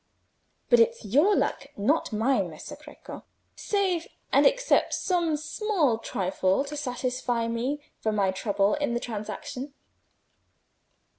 But it's your luck, not mine, Messer Greco, save and except some small trifle to satisfy me for my trouble in the transaction."